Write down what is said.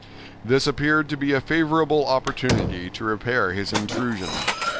This appeared to be a favorable opportunity to repair his intrusion.